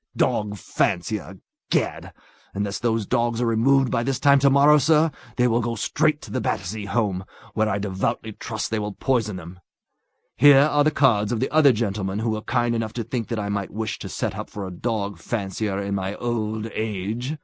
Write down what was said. "Dog fancier! Gad! Unless those dogs are removed by this time to morrow, sir, they will go straight to the Battersea Home, where I devoutly trust they will poison them. Here are the cards of the other gentlemen who were kind enough to think that I might wish to set up for a dog fancier in my old age.